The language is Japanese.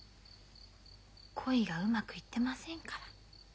恋がうまくいってませんから。